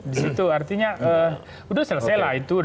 di situ artinya udah selesai lah itu